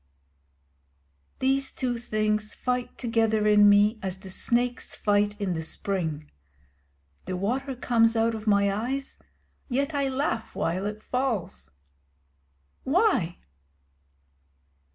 These two things fight together in me as the snakes fight in the spring. The water comes out of my eyes; yet I laugh while it falls. Why?